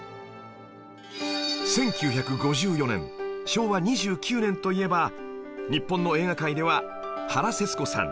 １９５４年昭和２９年といえば日本の映画界では原節子さん